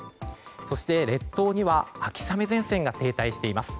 そして列島には秋雨前線が停滞しています。